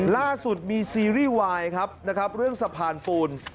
ล่าสุดมีซีรีส์วายครับนะครับเรื่องสะพานปูน